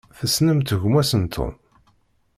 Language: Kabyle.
Tessnemt gma-s n Tom?